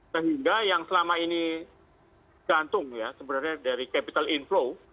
sehingga yang selama ini gantung ya sebenarnya dari capital inflow